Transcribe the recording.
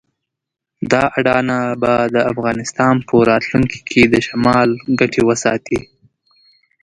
دا اډانه به د افغانستان په راتلونکي کې د شمال ګټې وساتي.